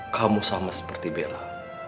kamu sama seperti bella